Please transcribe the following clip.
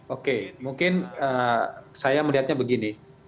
oke mungkin saya melihatnya begini